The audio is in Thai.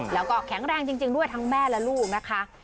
แล้วก็แข็งแรงจริงด้วยทั้งแม่และลูกนะคะ